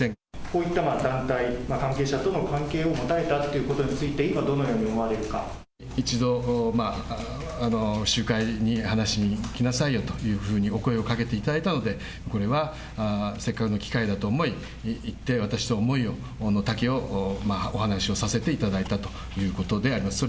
こういった団体、関係者と関係を持たれたということについて、一度、集会に話に来なさいよというふうにお声をかけていただいたので、これはせっかくの機会だと思い、行って、私の思いのたけをお話をさせていただいたということであります。